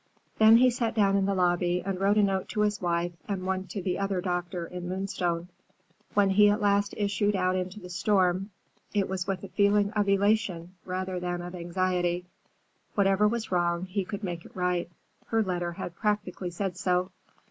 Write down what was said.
Then he sat down in the lobby and wrote a note to his wife and one to the other doctor in Moonstone. When he at last issued out into the storm, it was with a feeling of elation rather than of anxiety. Whatever was wrong, he could make it right. Her letter had practically said so.